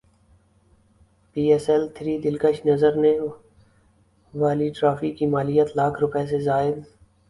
پی S L three دلکش نظر نے والی ٹرافی کی مالیت لاکھ روپے سے زائد